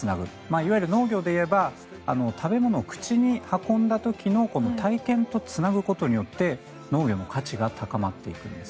いわゆる農業でいえば食べ物を口に運んだ時の体験とつなぐことによって農業の価値が高まっていくんです。